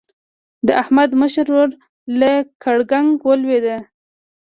د احمد مشر ورور له ګړنګ ولوېد.